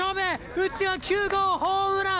打っては９号ホームラン。